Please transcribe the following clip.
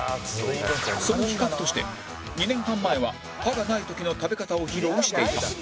その比較として２年半前は歯がない時の食べ方を披露していた